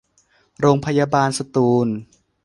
โรงพยาบาลสตูล